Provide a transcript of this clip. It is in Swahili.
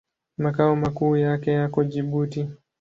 Makao makuu yake yako Jibuti.